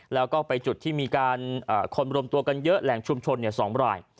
แล้วก็ไปจุดที่มีคนรวมตัวกันเยอะแหล่งชุมชน๒ราย